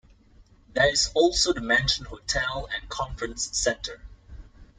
There is also the Mansion Hotel and Conference Centre.